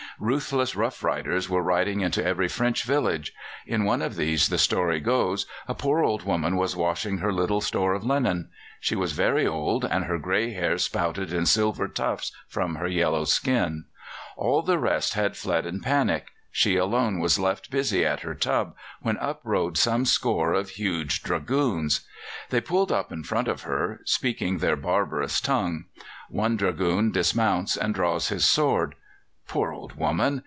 Ruthless rough riders were riding into every French village. In one of these, the story goes, a poor old woman was washing her little store of linen. She was very old, and her grey hair sprouted in silver tufts from her yellow skin. All the rest had fled in panic; she alone was left busy at her tub, when up rode some score of huge Dragoons. They pulled up in front of her, speaking their barbarous tongue. One Dragoon dismounts and draws his sword. Poor old woman!